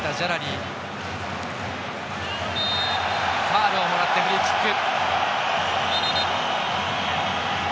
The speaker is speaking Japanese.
ファウルをもらってフリーキック。